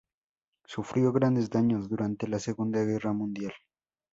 Sufrió grandes daños durante la Segunda Guerra Mundial.